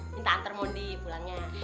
minta antar mondi pulangnya